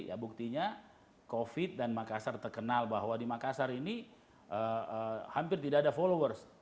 ya buktinya covid dan makassar terkenal bahwa di makassar ini hampir tidak ada followers